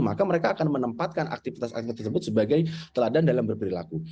maka mereka akan menempatkan aktivitas aktivitas tersebut sebagai teladan dalam berperilaku